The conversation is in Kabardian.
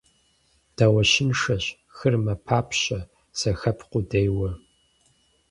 Даущыншэщ, хыр мэпапщэ, зэхэпх къудейуэ.